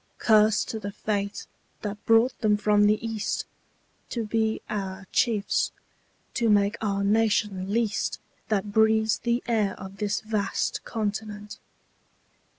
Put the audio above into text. Curse to the fate that brought them from the East To be our chiefs to make our nation least That breathes the air of this vast continent.